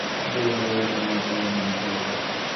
ব্রহ্মচারীদের ওর জন্য অর্থসংগ্রহ করে আনতে হবে।